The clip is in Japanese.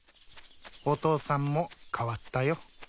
お父さんも変わったよ。